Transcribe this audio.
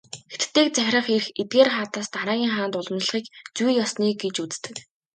Хятадыг захирах эрх эдгээр хаадаас дараагийн хаанд уламжлахыг "зүй ёсны" гэж үздэг.